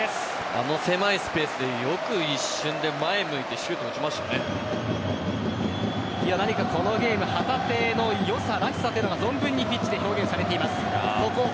あの狭いスペースでよく一瞬で前向いてこのゲーム旗手の良さ、らしさというのが存分にピッチて表現されています。